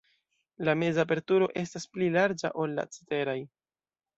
La meza aperturo estas pli larĝa, ol la ceteraj.